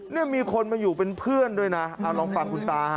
เนี่ยมีคนมาอยู่เป็นเพื่อนด้วยนะเอาลองฟังคุณตาฮะ